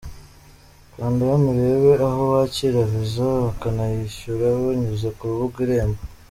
Kanda hano urebe aho bakira visa bakanayishyura banyuze ku rubuga Irembo.